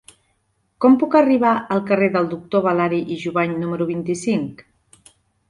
Com puc arribar al carrer del Doctor Balari i Jovany número vint-i-cinc?